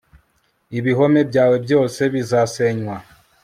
ibihome byawe byose bizasenywa